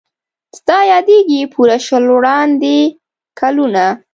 ستا یادیږي پوره شل وړاندي کلونه